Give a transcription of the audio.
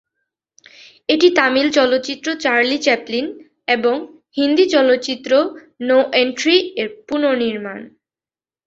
এটি তামিল চলচ্চিত্র Charlie Chaplin এবং হিন্দি চলচ্চিত্র 'নো এন্ট্রি'-এর পুনঃনির্মাণ।